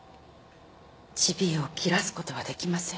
ジビエを切らす事はできません。